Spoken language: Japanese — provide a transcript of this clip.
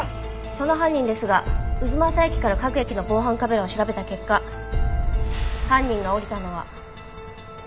その犯人ですが太秦駅から各駅の防犯カメラを調べた結果犯人が降りたのは。